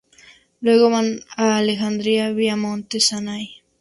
Luego van a Alejandría vía monte Sinaí.